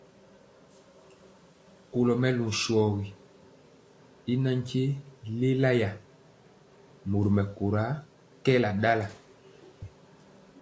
Kɔlo mɛlu shogi y natye lélaya, mori mɛkóra kɛɛla ndala.